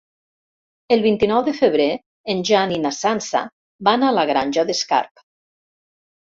El vint-i-nou de febrer en Jan i na Sança van a la Granja d'Escarp.